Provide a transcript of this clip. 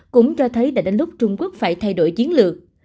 cũng cho thấy đã đến lúc trung quốc phải thay đổi chiến lược